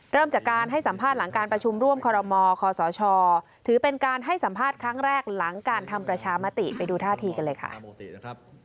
เริ่มจากการให้สัมภาษณ์หลังการประชุมร่วมคอรมอคอสชถือเป็นการให้สัมภาษณ์ครั้งแรกหลังการทำประชามติไปดูท่าทีกันเลยค่ะ